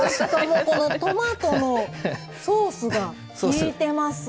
トマトのソースがきいてます。